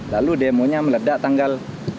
lalu demonya meledak tanggal